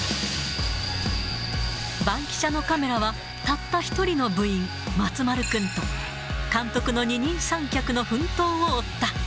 バンキシャのカメラは、たった１人の部員、松丸君と監督の二人三脚の奮闘を追った。